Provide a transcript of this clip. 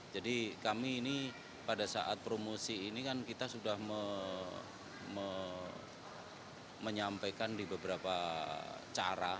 kami ini pada saat promosi ini kan kita sudah menyampaikan di beberapa cara